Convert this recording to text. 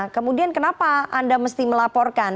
kemudian kenapa anda mesti melaporkan